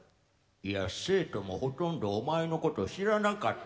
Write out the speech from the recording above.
「いや生徒もほとんどお前のこと知らなかったぞ。